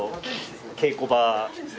稽古場？